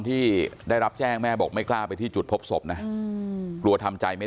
ที่ได้รับแจ้งแม่บอกไม่กล้าไปที่จุดพบศพนะกลัวทำใจไม่